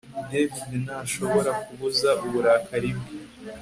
David ntashobora kubuza uburakari bwe